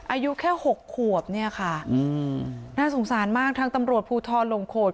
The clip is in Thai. อายุแค่หกขวบเนี่ยค่ะอืมน่าสงสารมากทางตำรวจภูทรลงโขด